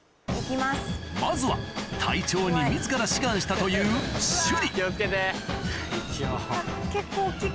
まずは隊長に自ら志願したという趣里結構大っきく。